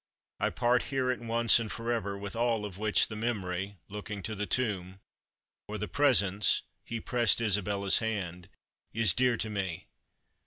I part here, at once, and for ever, with all of which the memory" (looking to the tomb), "or the presence" (he pressed Isabella's hand), "is dear to me.